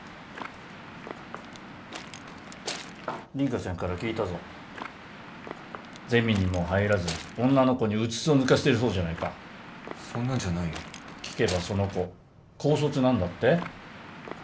凛花ちゃんから聞いたぞゼミにも入らず女の子にうつつを抜かしてるそうじゃないかそんなんじゃないよ聞けばその子高卒なんだって？